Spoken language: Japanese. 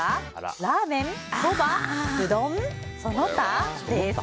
ラーメン・そばうどん・その他です。